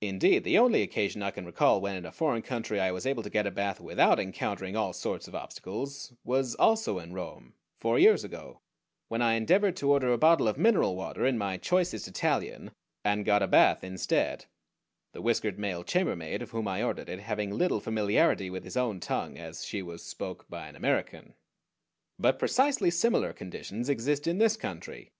Indeed, the only occasion I can recall when in a foreign country I was able to get a bath without encountering all sorts of obstacles was also in Rome, four years ago, when I endeavored to order a bottle of mineral water in my choicest Italian, and got a bath instead, the whiskered male chambermaid of whom I ordered it having little familiarity with his own tongue as "she was spoke" by an American. But precisely similar conditions exist in this country.